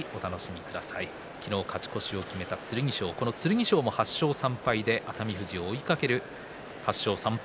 昨日勝ち越しを決めた剣翔、剣翔も８勝３敗で熱海富士を追いかける８勝３敗